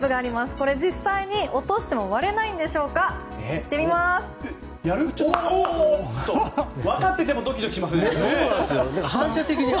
これ実際に落としても割れないんでしょうか。